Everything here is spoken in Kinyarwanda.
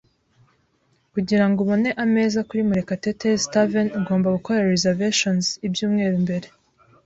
Kugira ngo ubone ameza kuri Murekatete's Tavern, ugomba gukora reservations ibyumweru mbere.